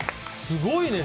すごいね。